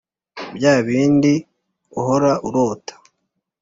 bya bindi uhora urota